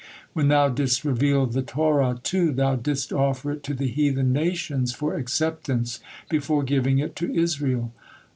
When Thou didst reveal the Torah, too, Thou didst offer it to the heathen nations for acceptance before giving it to Israel."